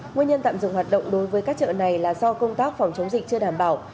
nguyên nhân tạm dừng hoạt động đối với các chợ này là do công tác phòng chống dịch chưa đảm bảo